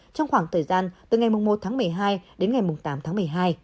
trong khoảng thời gian từ ngày một tháng một mươi hai đến ngày tám tháng một mươi hai